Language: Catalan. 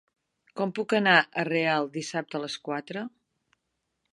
Com puc anar a Real dissabte a les quatre?